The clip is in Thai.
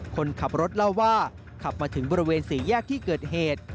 คนขับรถเล่าว่าขับมาถึงบริเวณสี่แยกที่เกิดเหตุ